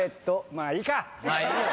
まあいいよ。